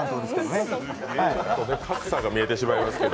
格差が見えてしまいますけど。